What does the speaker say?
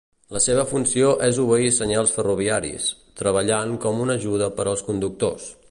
La seva funció és obeir senyals ferroviaris, treballant com una ajuda per als conductors.